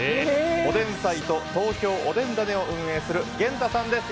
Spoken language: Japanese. おでんサイト東京おでんだねを運営する源太さんです。